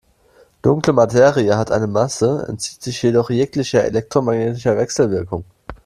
Dunkle Materie hat eine Masse, entzieht sich jedoch jeglicher elektromagnetischer Wechselwirkung.